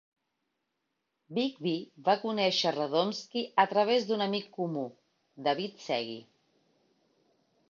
Bigbie va conèixer Radomski a través d'un amic en comú, David Segui.